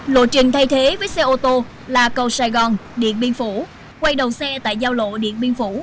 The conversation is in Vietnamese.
lộ trình thay thế với xe ô tô là cầu sài gòn điện biên phủ quay đầu xe tại giao lộ điện biên phủ